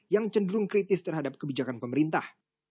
yang cenderung kritis terhadap kebijakan pemerintah